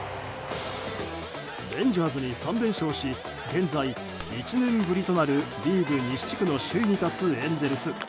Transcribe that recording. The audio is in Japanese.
レンジャーズに３連勝し現在、１年ぶりとなるリーグ西地区の首位に立つエンゼルス。